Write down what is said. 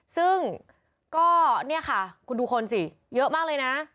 ซึ่งก็เนี่ยค่ะคุณดูคนสิเยอะมากเลยนะ